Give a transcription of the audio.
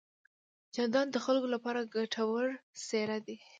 جانداد د خلکو لپاره ګټور څېرہ دی.